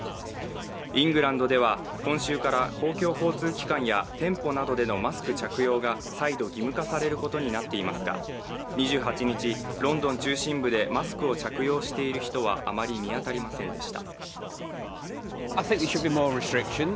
イングランドでは今週から公共交通機関や店舗などでのマスク着用が再度、義務化されることになっていますが２８日、ロンドン中心部でマスクを着用している人はあまり見当たりませんでした。